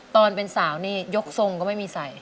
ตอนเป็นสาวนี่ยกทรงก็ไม่มีใส่